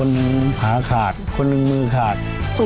คนหนึ่งผาขาดคนหนึ่งมือขาด